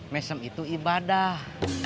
mesem itu ibadah